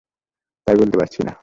তাই বলতে পারছি না।